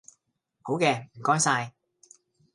好嘅，唔該晒